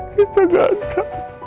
kita gak tahu